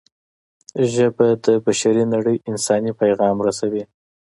ژبه د بشري نړۍ انساني پیغام رسوي